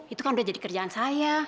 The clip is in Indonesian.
itu kan udah jadi kerjaan saya